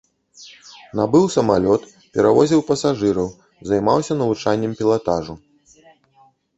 Набыў самалёт, перавозіў пасажыраў, займаўся навучаннем пілатажу.